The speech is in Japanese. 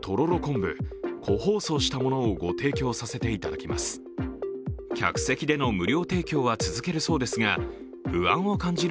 それは客席での無料提供は続けるそうですが不安を感じる